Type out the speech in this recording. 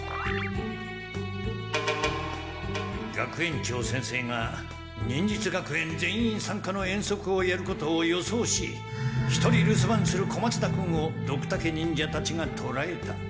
学園長先生が忍術学園全員さんかの遠足をやることを予想し一人留守番する小松田君をドクタケ忍者たちがとらえた。